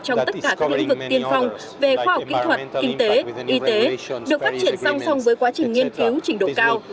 trong tất cả các lĩnh vực tiên phong về khoa học kỹ thuật kinh tế y tế được phát triển song song với quá trình nghiên cứu trình độ cao